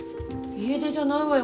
家出じゃないわよ。